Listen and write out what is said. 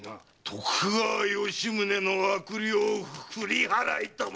徳川吉宗の悪霊を振り払いたまえ！